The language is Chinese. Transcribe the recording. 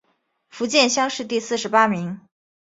福建乡试第四十八名。